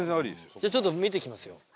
じゃあちょっと見てきますよ。